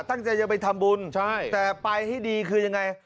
ตั้งใจจะไปทำบุญใช่แต่ไปให้ดีคือยังไง